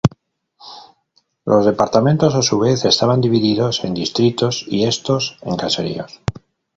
Los departamentos a su vez estaban divididos en distritos y estos en caseríos.